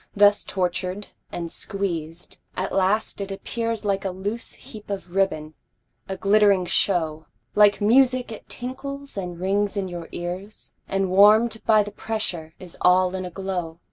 Thus tortured and squeezed, at last it appears Like a loose heap of ribbon, a glittering show, Like music it tinkles and rings in your ears, And warm'd by the pressure is all in a glow.